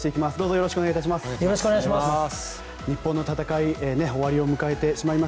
よろしくお願いします。